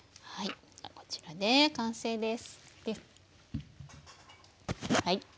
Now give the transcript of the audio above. こちらで完成です。